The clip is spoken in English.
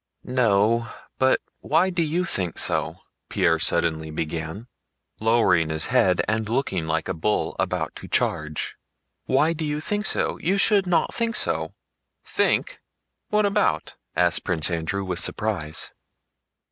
"No, but why do you think so?" Pierre suddenly began, lowering his head and looking like a bull about to charge, "why do you think so? You should not think so." "Think? What about?" asked Prince Andrew with surprise.